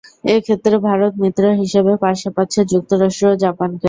এ ক্ষেত্রে ভারত মিত্র হিসেবে পাশে পাচ্ছে যুক্তরাষ্ট্র ও জাপানকে।